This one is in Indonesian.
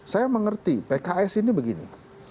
saya mengerti pks ini begini